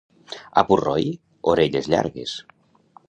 A Purroi, orelles llargues.